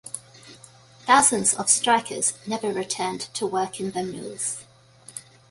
Thousands of strikers never returned to work in the mills.